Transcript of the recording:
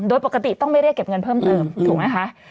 โดยปกติต้องไม่เรียกเก็บเงินเพิ่มเติมถูกไหมคะ